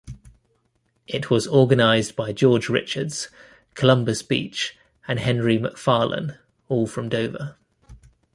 It was organized by George Richards, Columbus Beach, and Henry McFarlan, all from Dover.